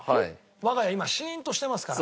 我が家今シーンとしてますから。